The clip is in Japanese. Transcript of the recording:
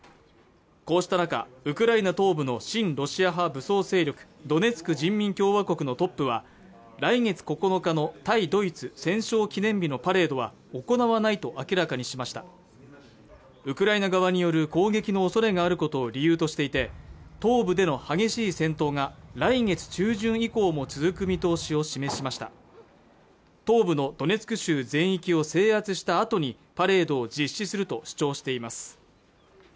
こうした中ウクライナ東部の親ロシア派武装勢力ドネツク人民共和国のトップは来月９日の対ドイツ戦勝記念日のパレードは行わないと明らかにしましたウクライナ側による攻撃のおそれがあることを理由としていて東部での激しい戦闘が来月中旬以降も続く見通しを示しました東部のドネツク州全域を制圧したあとにパレードを実施すると主張しています